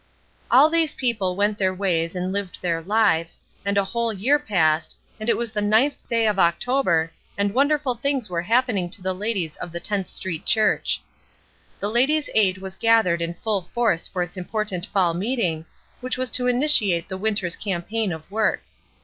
All these people went their ways and lived their lives, and a whole year passed, and it was the ninth day of October, and wonderful things were happening to the ladies of the Tenth Street Church. The Ladies' Aid was gathered in full force for its important fall meeting, which was to initiate the winter's campaign of work.